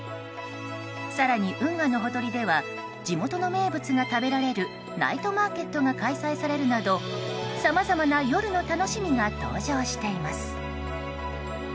更に、運河のほとりでは地元の名物が食べられるナイトマーケットが開催されるなどさまざまな夜の楽しみが登場しています。